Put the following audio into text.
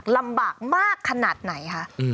ลำบากมากขนาดไหนคะ